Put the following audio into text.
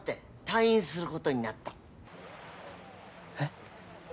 退院することになったえっ？